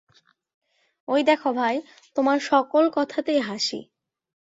ঐ দেখ ভাই, তোমার সকল কথাতেই হাসি!